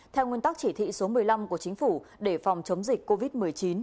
theo nguyên tắc chỉ thị số một mươi năm của chính phủ để phòng chống dịch covid một mươi chín